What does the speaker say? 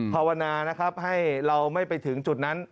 ภาวนานะครับให้เราไม่ไปถึงจุดนั้น